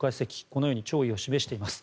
このように弔意を示しています。